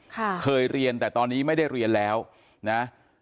เคยเรียนแต่ตอนนี้ไม่ได้เรียนแล้วนะ